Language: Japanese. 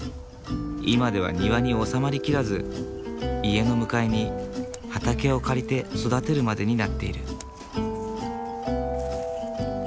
今では庭に収まりきらず家の向かいに畑を借りて育てるまでになっている。